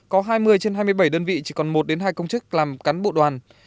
có hai mươi trên hai mươi bảy đơn vị chỉ còn một hai công chức làm cán bộ đoàn